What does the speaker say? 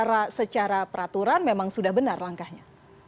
atau memang secara peraturan memang sudah benar langkahnya